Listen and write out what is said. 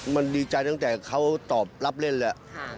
มันดีใจตั้งแต่เขาตอบรับเล่นแล้ว